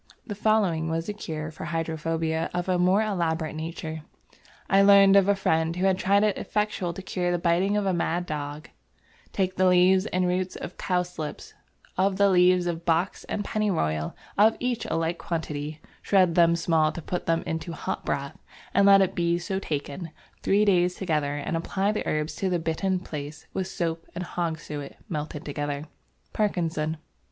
The following was a cure for hydrophobia of a more elaborate nature: "I learned of a Friend who had tried it effectual to cure the Biting of a Mad Dog; take the Leaves and Roots of Cowslips, of the leaves of Box and Pennyroyal of each a like quantity; shred them small to put them into Hot Broth and let it be so taken Three Days Together and apply the herbs to the bitten place with Soap and Hog's suet melted together" (Parkinson).